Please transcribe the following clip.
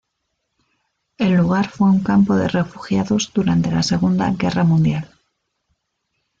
El lugar fue un campo de refugiados durante la Segunda Guerra Mundial.